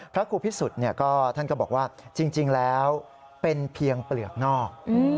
พระครูพิสุทธิ์ท่านก็บอกว่าจริงแล้วเป็นเพียงเปลือกนอก